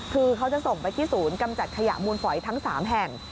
คือเขาจะส่งไปที่ศูนย์กำจัดขยะมูลฝอยทั้ง๓แห่ง